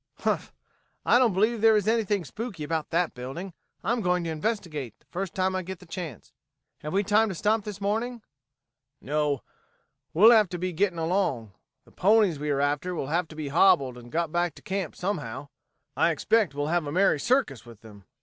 "Humph! I don't believe there is anything spooky about that building. I'm going to investigate, the first time I get the chance. Have we time to stop this morning?" "No; we'll have to be getting along. The ponies we are after will have to be hobbled and got back to camp somehow. I expect we'll have a merry circus with them.